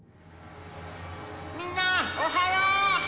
「みんなおはよう！」。